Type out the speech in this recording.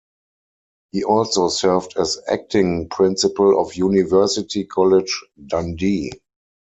He also served as acting Principal of University College Dundee.